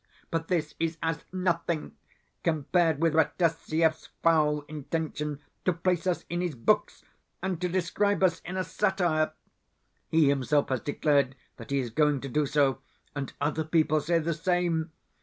But this is as nothing compared with Rataziaev's foul intention to place us in his books, and to describe us in a satire. He himself has declared that he is going to do so, and other people say the same.